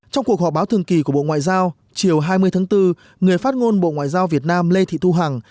trong cuộc họp báo thường kỳ của bộ ngoại giao chiều hai mươi tháng bốn người phát ngôn bộ ngoại giao việt nam lê thị thu hằng